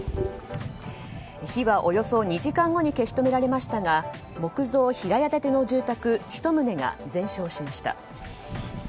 火はおよそ２時間後に消し止められましたが木造平屋建ての住宅１棟が全焼しました。